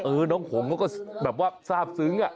เออน้องหงก็แบบว่าทราบซึ้ง